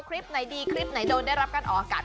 คลิปไหนดีคลิปไหนโดนได้รับการออกอากาศ